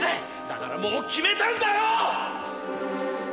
だからもう決めたんだよ！